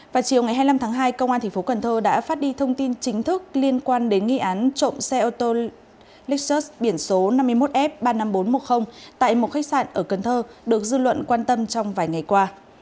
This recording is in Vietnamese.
vào chiều ngày hai mươi năm tháng hai công an tp cn đã phát đi thông tin chính thức liên quan đến nghi án trộm xe ô tô nixert biển số năm mươi một f ba mươi năm nghìn bốn trăm một mươi tại một khách sạn ở cần thơ được dư luận quan tâm trong vài ngày qua